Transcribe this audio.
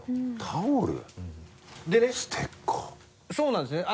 「タオル」「ステッカー」そうなんですね